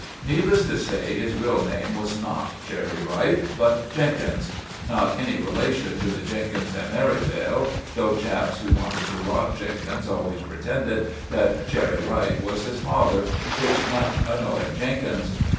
Needless to say his real name was not 'Cherry Ripe' but Jenkins—not any relation to the Jenkins at Merivale, though chaps who wanted to rot Jenkins always pretended that Cherry Ripe was his father, which much annoyed Jenkins.